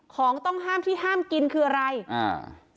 ของต้องห้ามที่ห้ามกินคืออะไรอ่า